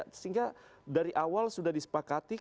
sehingga dari awal sudah disepakati